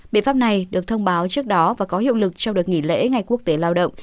biện pháp này được thông báo trước đó và có hiệu lực trong đợt nghỉ lễ ngày quốc tế lao động